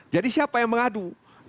jadi siapa yang mengadu